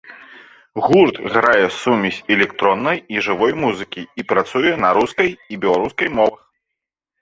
Гурт грае сумесь электроннай і жывой музыкі і працуе на рускай і беларускай мовах.